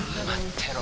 てろ